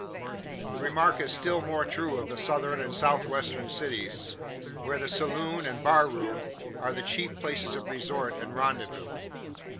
The remark is still more true of the Southern and South western cities; where the "saloon" and "bar room" are the chief places of resort and rendezvous.